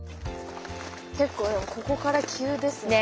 結構ここから急ですね。